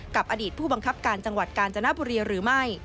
กับอดีตผู้บังคับการจังหวัดกาญจนบุรีหรือไม่